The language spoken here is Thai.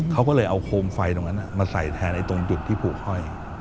เขาก็เลยเอาโคมไฟตรงนั้นมาใส่แทนตรงจุดที่ผูกห้อย